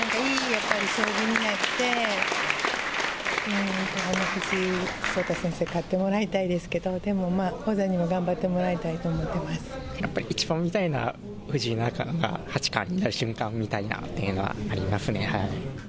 やっぱり将棋になって、藤井聡太先生、勝ってもらいたいですけど、でもまあ、王座にも頑張ってもらいたやっぱり一番見たいのは、藤井七冠が八冠になる瞬間を見たいなっていうのはありますね。